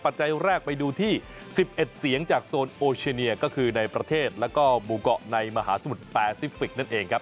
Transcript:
แรกไปดูที่๑๑เสียงจากโซนโอชิเนียก็คือในประเทศแล้วก็หมู่เกาะในมหาสมุทรแปซิฟิกนั่นเองครับ